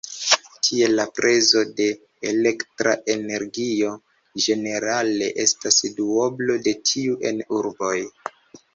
Tie la prezo de elektra energio ĝenerale estas duoblo de tiu en urboj.